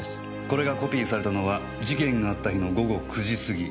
これがコピーされたのは事件があった日の午後９時過ぎ。